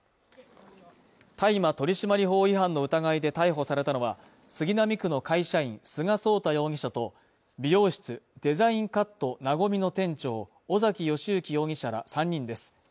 大麻取締法違反の疑いで逮捕されたのは、杉並区の会社員菅奏太容疑者と、美容室デザインカットなごみの店長、尾崎義行容疑者ら３人です。